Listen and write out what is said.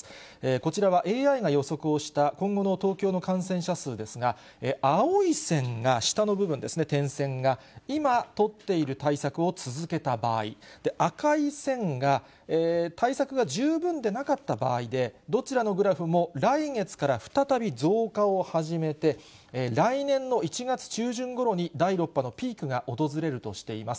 こちらはＡＩが予測をした今後の東京の感染者数ですが、青い線が、下の部分ですね、点線が、今、取っている対策を続けた場合、赤い線が、対策が十分でなかった場合で、どちらのグラフも来月から再び増加を始めて、来年の１月中旬ごろに第６波のピークが訪れるとしています。